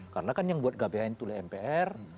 karena kan yang buat gabhn itu mpr